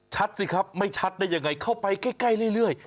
สิครับไม่ชัดได้ยังไงเข้าไปใกล้เรื่อย